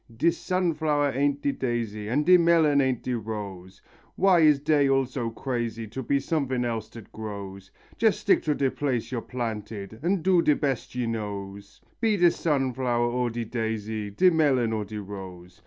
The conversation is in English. De sunflower ain't de daisy, and de melon ain't de rose; Why is dey all so crazy to be sumfin else dat grows? Jess stick to de place yo're planted, and do de bes yo knows; Be de sunflower or de daisy, de melon or de rose.